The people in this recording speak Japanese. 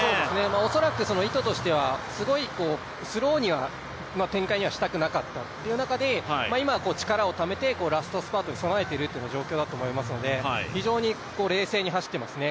恐らく意図としては、スローの展開にはしたくなかったという中で今、力をためてラストスパートに備えているという状況だと思いますので、非常に冷静に走っていますね。